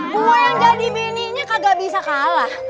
gue yang jadi bininya kagak bisa kalah